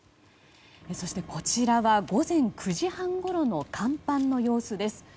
そしてこちらは午前９時半ごろの甲板の様子です。